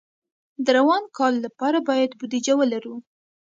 د روان کال لپاره باید بودیجه ولرو.